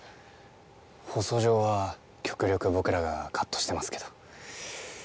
放送上は極力僕らがカットしてますけど。